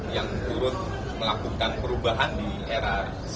yang turut melakukan perubahan di era sembilan puluh delapan